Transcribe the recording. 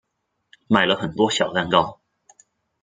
买了很多小蛋糕